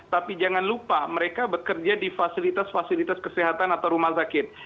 tapi jangan lupa mereka bekerja di fasilitas fasilitas kesehatan atau rumah sakit